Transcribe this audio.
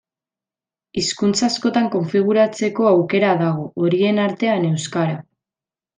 Hizkuntza askotan konfiguratzeko aukera dago, horien artean euskara.